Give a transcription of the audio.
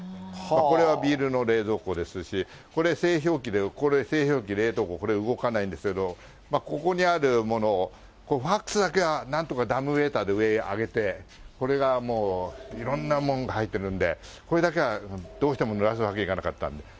これはビールの冷蔵庫ですし、これ、製氷機で、製氷機、これ冷凍庫、動かないんですけれども、ここにあるもの、ファックスだけはなんとか上へ上げて、これがいろんなもんが入ってるんで、これだけはどうしてもぬらすわけにいかなかったんで。